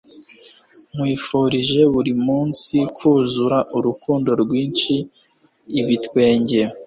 nkwifurije burimunsi kuzura urukundo rwinshi, ibitwenge